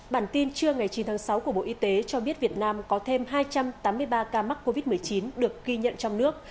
bản tin trưa ngày chín tháng sáu của bộ y tế cho biết việt nam có thêm hai trăm tám mươi ba ca mắc covid một mươi chín được ghi nhận trong nước